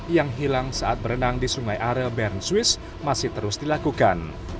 yang hilang saat berenang di sungai arel bern swiss masih terus dilakukan